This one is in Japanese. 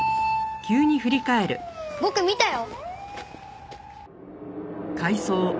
僕見たよ。